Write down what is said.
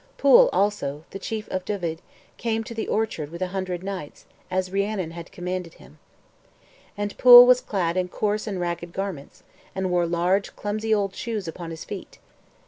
Pwyll, also, the chief of Dyved, came to the orchard with a hundred knights, as Rhiannon had commanded him. And Pwyll was clad in coarse and ragged garments, and wore large, clumsy old shoes upon his feet.